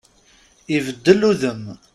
Ibeddel udem.